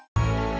ini dengan siapa